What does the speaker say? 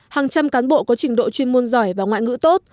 hàng trăm cán bộ có trình độ chuyên môn giỏi và ngoại ngữ tốt